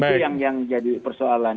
itu yang jadi persoalan